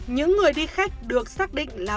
những người đi khách được xác định là